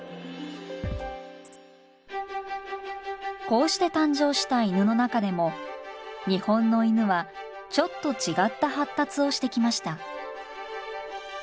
こうして誕生した犬の中でも日本の犬はちょっと違った発達をしてきました。